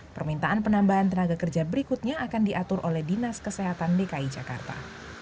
permintaan penambahan tenaga kerja berikutnya akan diatur oleh dinas kesehatan dki jakarta